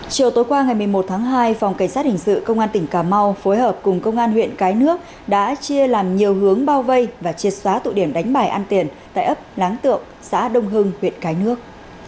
chiều tối qua ngày một mươi một tháng hai phòng cảnh sát hình sự công an tỉnh cà mau phối hợp cùng công an huyện cái nước đã chia làm nhiều hướng bao vây và triệt xóa tụ điểm đánh bài ăn tiền tại ấp láng tượng xã đông hưng huyện cái nước